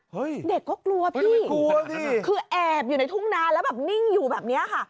เด็กก็กลัวพี่กลัวสิคือแอบอยู่ในทุ่งนาแล้วแบบนิ่งอยู่แบบนี้ค่ะ